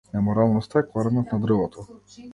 Неморалноста е коренот на дрвото.